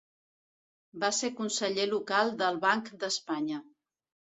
Va ser conseller local del Banc d'Espanya.